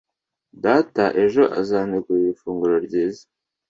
Data ejo azantegurira ifunguro ryiza